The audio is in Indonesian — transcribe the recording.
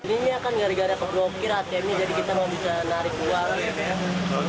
ini kan gara gara keblokir atmnya jadi kita mau bisa narik uang